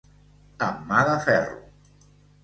Amb mà de ferro.